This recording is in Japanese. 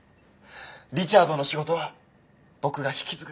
リチャードの仕事は僕が引き継ぐ。